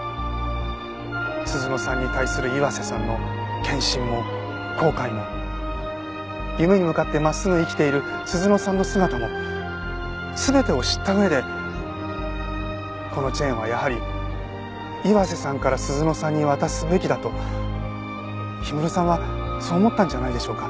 鈴乃さんに対する岩瀬さんの献身も後悔も夢に向かって真っすぐ生きている鈴乃さんの姿も全てを知った上でこのチェーンはやはり岩瀬さんから鈴乃さんに渡すべきだと氷室さんはそう思ったんじゃないでしょうか。